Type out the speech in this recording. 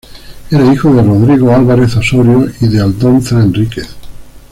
Era hijo de Rodrigo Álvarez Osorio y de Aldonza Enríquez.